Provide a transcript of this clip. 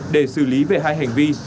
để xử lý về hai hành vi